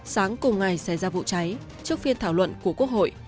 sáng cùng ngày xảy ra vụ cháy trước phiên thảo luận của quốc hội